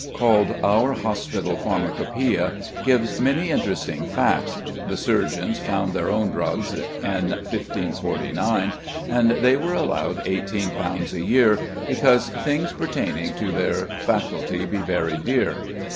called "Our Hospital Pharmacopœia," gives many interesting facts. The surgeons found their own drugs in 1549, and they were allowed £18 a year "because things pertaining to their faculty be very dear."